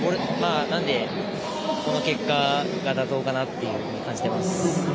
なので、この結果は妥当かなと感じています。